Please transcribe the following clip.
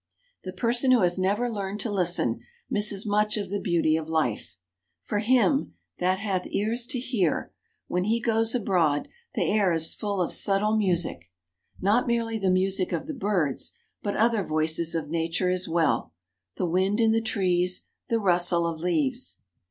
The person who has never learned to listen, misses much of the beauty of life. For him "that hath ears to hear," when he goes abroad, the air is full of subtle music. Not merely the music of the birds, but other voices of nature as well; the wind in the trees, the rustle of leaves.